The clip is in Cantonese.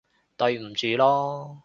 對唔住囉